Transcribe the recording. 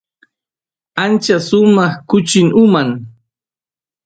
ancha sumaq kuchi uman